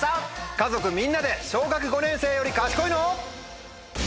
家族みんなで小学５年生より賢いの？